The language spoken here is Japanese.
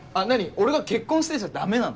俺が結婚してちゃだめなの？